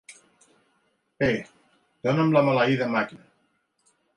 Bé, dona'm la maleïda màquina.